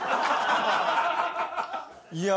いや